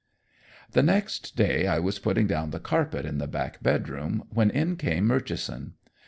The next day I was putting down the carpet in the back bedroom, when in came Murchison.